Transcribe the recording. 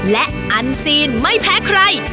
และอันซีนไม่แพ้ใคร